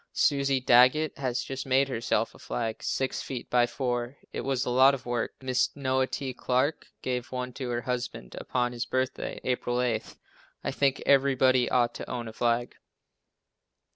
Susie Daggett has just made herself a flag, six feet by four. It was a lot of work. Mrs. Noah T. Clarke gave one to her husband upon his birthday, April 8. I think everybody ought to own a flag.